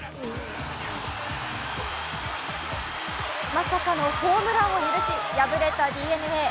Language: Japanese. まさかのホームランを許し敗れたＤｅＮＡ。